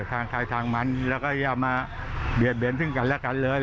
ทางใครทางมันแล้วก็อย่ามาเบียดเบียนซึ่งกันและกันเลย